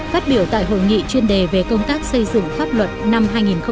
phát biểu tại hội nghị chuyên đề về công tác xây dựng pháp luật năm hai nghìn một mươi chín